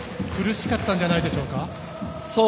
苦しかったんじゃないでしょうか。